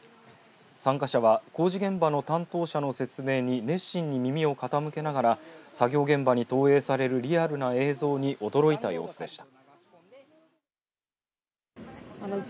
参加者は工事現場の担当者の説明に熱心に耳を傾けながら作業現場に投影されるリアルな映像に驚いた様子でした。